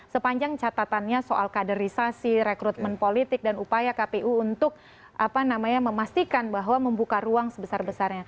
sepanjang catatannya soal kaderisasi rekrutmen politik dan upaya kpu untuk memastikan bahwa membuka ruang sebesar besarnya